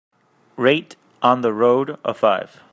rate On the Road a five